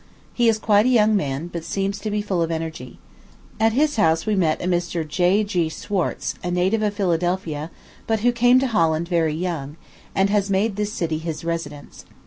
He is quite a young man, but seems to be full of energy. At his house we met a Mr. J. G. Schwartze, a native of Philadelphia, but who came to Holland very young, and has made this city his residence.